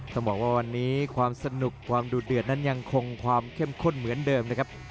ต้องบอกว่าวันนี้ความสนุกความดูดเดือดนั้นยังคงความเข้มข้นเหมือนเดิมนะครับ